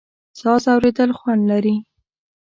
ساز اورېدل خوند لري.